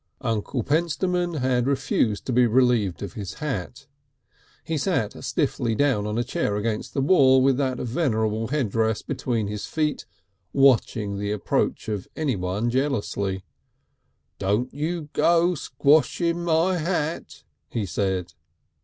Uncle Pentstemon had refused to be relieved of his hat; he sat stiffly down on a chair against the wall with that venerable headdress between his feet, watching the approach of anyone jealously. "Don't you go squashing my hat," he said.